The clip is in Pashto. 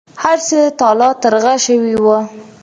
هر څه تالا ترغه شوي وو.